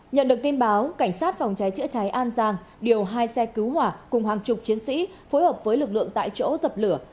nhận được tin báo cảnh sát phòng cháy chữa cháy an giang điều hai xe cứu hỏa cùng hàng chục chiến sĩ phối hợp với lực lượng tại chỗ dập lửa